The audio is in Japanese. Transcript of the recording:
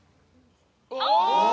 お！